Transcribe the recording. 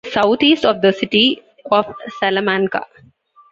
It is southeast of the city of Salamanca.